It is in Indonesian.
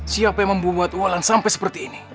siapa yang membuat walan sampai seperti ini